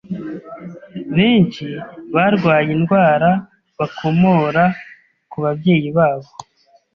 Benshi barwaye indwara bakomora ku babyeyi babo,